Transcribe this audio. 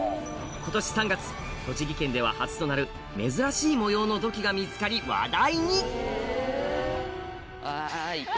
今年３月栃木県では初となる珍しい模様の土器が見つかり話題に！